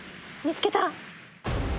見つけた。